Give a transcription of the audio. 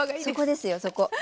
そこですよそこ。